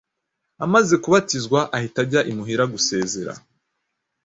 Amaze kubatizwa, ahita ajya imuhira gusezera.